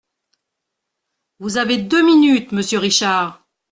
Vous avez deux minutes, monsieur Richard...